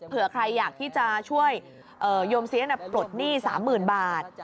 ใครอยากที่จะช่วยโยมเสียปลดหนี้๓๐๐๐บาท